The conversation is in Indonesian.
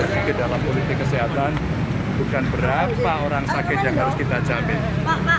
sedikit dalam politik kesehatan bukan berapa orang sakit yang harus kita jamin